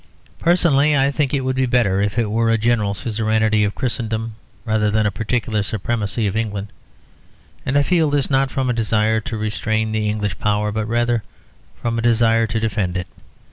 Personally, I think it would be better if it were a general suzerainty of Christendom, rather than a particular supremacy of England. And I feel this, not from a desire to restrain the English power, but rather from a desire to defend it.